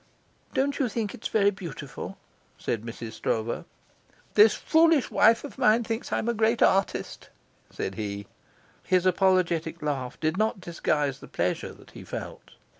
"Don't you think it's very beautiful?" said Mrs. Stroeve. "This foolish wife of mine thinks I'm a great artist," said he. His apologetic laugh did not disguise the pleasure that he felt.